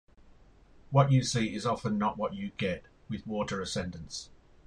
What you see is often not what you get with water ascendants.